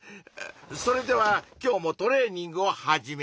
それでは今日もトレーニングを始めよう！